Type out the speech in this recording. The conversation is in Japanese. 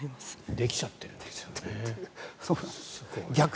できちゃってるんですよね。